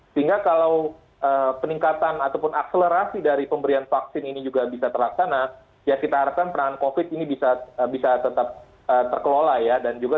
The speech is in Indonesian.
sehingga kalau peningkatan ataupun akselerasi dari pemberian vaksin ini juga bisa terlaksana ya kita harapkan perangan covid ini bisa tetap terkelola ya